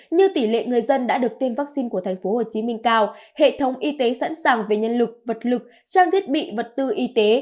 như tỷ lệ người dân đã được tiêm vaccine của thành phố hồ chí minh cao hệ thống y tế sẵn sàng về nhân lực vật lực trang thiết bị vật tư y tế